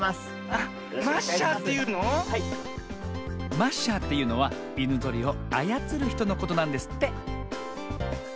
マッシャーというのは犬ぞりをあやつるひとのことなんですって。